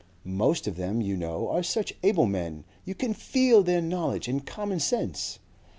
Most of them you know are such able men. You can FEEL their knowledge and commonsense.